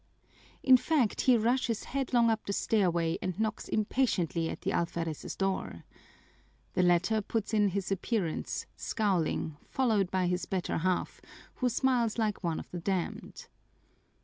In fact, he rushes headlong up the stairway and knocks impatiently at the alferez's door. The latter puts in his appearance, scowling, followed by his better half, who smiles like one of the damned.